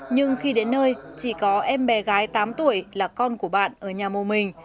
nhưng khi đến nơi chỉ có em bé gái tám tuổi là con của bạn ở nhà mô mình